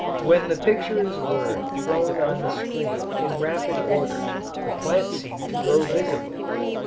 When the pictures were thrown on the screen in rapid order the plant seemed to grow visibly.